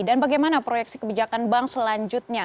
dan bagaimana proyeksi kebijakan bank selanjutnya